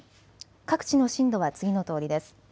各地の震度は次のとおりです。